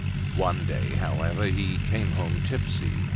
One day, however, he came home tipsy.